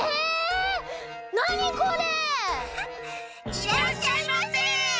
いらっしゃいませ！